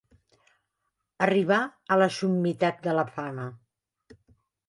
Arribar a la summitat de la fama.